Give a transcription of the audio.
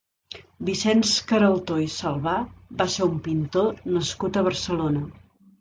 Vicenç Caraltó i Salvà va ser un pintor nascut a Barcelona.